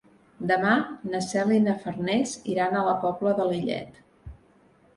Demà na Cel i na Farners iran a la Pobla de Lillet.